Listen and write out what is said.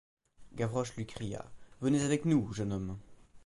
Gavroche lui cria :— Venez avec nous, jeune homme !